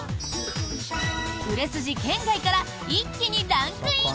売れ筋圏外から一気にランクイン。